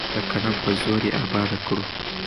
د قلم په زور یې اباده کړو.